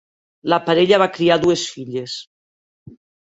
La parella va criar dues filles.